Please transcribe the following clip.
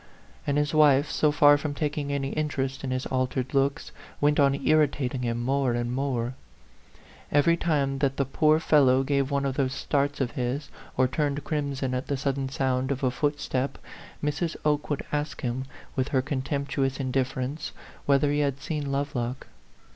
And his wife, so far from taking any interest in his altered looks, went on irritating him more and more. Every time that the poor fellow gave one of those starts of his, or turned crimson at the sudden sound of a footstep, Mrs. Oke would ask him, with her contemptuous indifference, whether he had seen Lovelock.